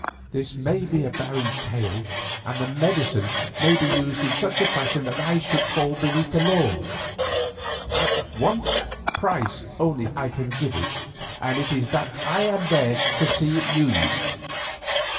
This may be a barren tale, and the medicine might be used in such a fashion that I should fall beneath the law. At one price only can I give it, and it is that I am there to see it used."